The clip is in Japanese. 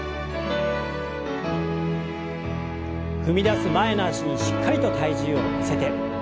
踏み出す前の脚にしっかりと体重を乗せて。